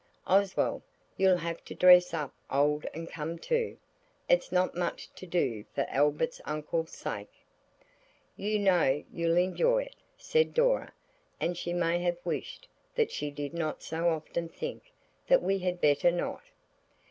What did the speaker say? Oswald, you'll have to dress up old and come too. It's not much to do for Albert's uncle's sake." "You know you'll enjoy it," said Dora, and she may have wished that she did not so often think that we had better not.